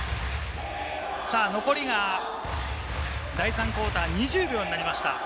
残りが第３クオーター、２０秒になりました。